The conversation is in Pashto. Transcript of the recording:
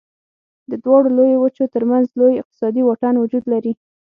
د دواړو لویو وچو تر منځ لوی اقتصادي واټن وجود لري.